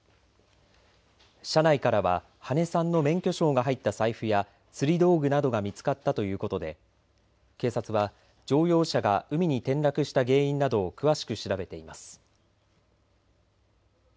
車内からは羽根さんの免許証が入った財布や釣り道具などが見つかったということで警察は乗用車が海に転落した原因などを詳しく調べています。